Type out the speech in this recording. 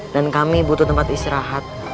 dan kami butuh tempat istirahat